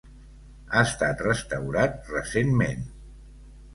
Ha estat restaurat recentment.